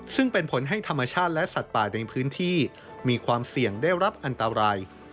ซึ่งเป็นผลให้ธรรมชาติและสัตว์ป่าในพื้นที่มีความเสี่ยงได้รับอันตราย